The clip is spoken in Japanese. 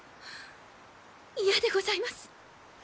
嫌でございます。